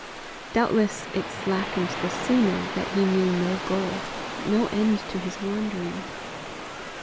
Doubtless it slackened the sooner that he knew no goal, no end to his wandering.